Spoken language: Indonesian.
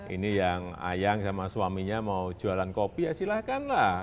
ini yang ayang sama suaminya mau jualan kopi ya silahkanlah